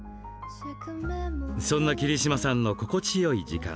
そんな桐島さんの心地よい時間。